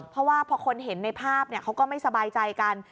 เพราะว่าพอคนเห็นในภาพเขาก็ไม่สบายใจกัน